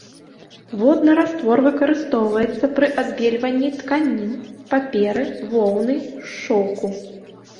Водны раствор выкарыстоўваецца пры адбельванні тканін, паперы, воўны, шоўку.